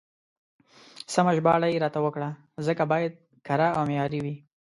سمه ژباړه يې راته وکړه، ځکه بايد کره او معياري وي.